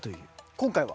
今回は？